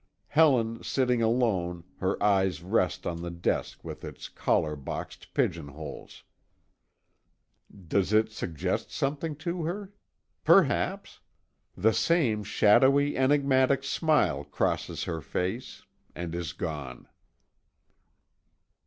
Helen, sitting alone, her eyes rest on the desk with its collar boxed pigeon holes. Does it suggest something to her? Perhaps. The same, shadowy, enigmatic smile crosses her face, and is gone.